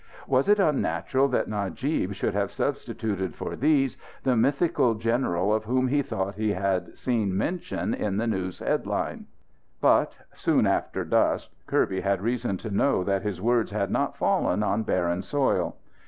Was it unnatural that Najib should have substituted for these the mythical general of whom he thought he had seen mention in the news headline? But, soon after dusk, Kirby had reason to know that his words had not all fallen on barren soil.